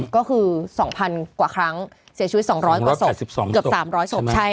ก็คือสองพันกว่าครั้งเสียชีวิตสองร้อยกว่าศพเกือบสามร้อยศพใช่ไหม